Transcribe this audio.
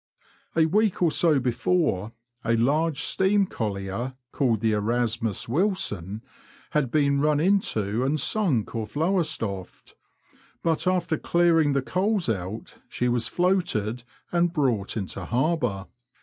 A week or so before, a large steam collier, called the Erasmus Wilson, had been run into and sunk off Lowestoft, but after clearing the coals out she was floated and brought into harbour.